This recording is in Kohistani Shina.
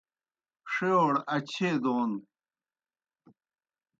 ݜِیؤڑ اچھیئے دون